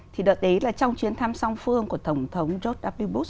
thì đợt đấy là trong chuyến thăm song phương của thổng thống george w bush